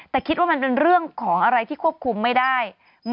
แต่คิดว่ามันเป็นเรื่องของอะไรที่ควบคุมไม่ได้